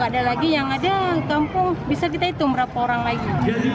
ada lagi yang ada kampung bisa kita hitung berapa orang lagi